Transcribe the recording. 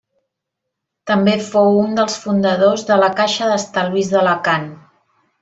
També fou un dels fundadors de la Caixa d'Estalvis d'Alacant.